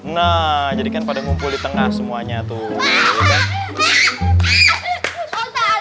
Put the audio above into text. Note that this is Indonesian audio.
nah jadikan pada ngumpul di tengah semuanya tuh